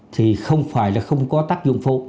thì không phải là không có tác dụng phụ